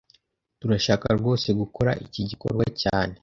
Turashaka rwose gukora iki gikorwa cyane